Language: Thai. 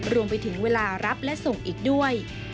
รวมไปถึงเวลารับและส่งอีกด้วย